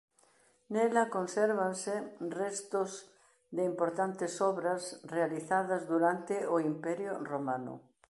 Nela consérvanse restos de importantes obras realizadas durante o Imperio romano.